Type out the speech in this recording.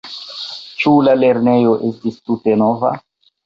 Ĉu la lernejo estis tute nova?